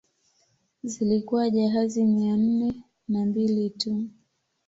Zilikuwa jahazi mia nne na mbili tu